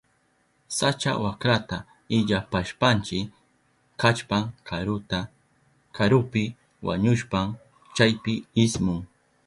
Sacha wakrata illapashpanchi kallpan karuta. Karupi wañushpan chaypi ismun.